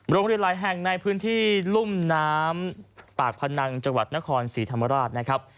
โรงเรียนหลายแห่งในพื้นที่ลุ่มน้ำปากพนังจังหวัดนครศรีธรรมราชนะครับ